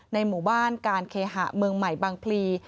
หมู่บ้านการเคหะเมืองใหม่บางพลี